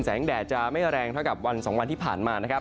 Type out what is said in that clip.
แดดจะไม่แรงเท่ากับวัน๒วันที่ผ่านมานะครับ